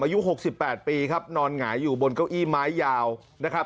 อายุ๖๘ปีครับนอนหงายอยู่บนเก้าอี้ไม้ยาวนะครับ